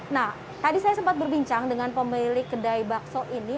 nah tadi saya sempat berbincang dengan pemilik kedai bakso ini